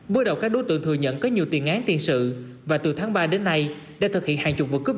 bước đầu các đối tượng thừa nhận có nhiều tiền án tiền sự và từ tháng ba đến nay đã thực hiện hàng chục vụ cướp